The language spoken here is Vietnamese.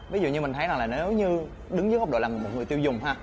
ví dụ như mình thấy rằng là nếu như đứng dưới góc độ là một người tiêu dùng